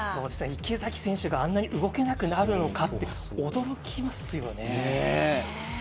池崎選手があんなに動けなくなるのかって驚きますよね。